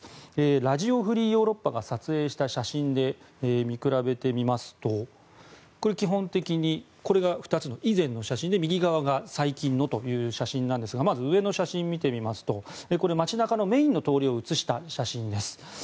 ラジオ・フリー・ヨーロッパが撮影した写真で見比べてみますと左が以前の写真で右側が最近のという写真ですが上の写真を見てみますと街中のメインの通りを写した写真です。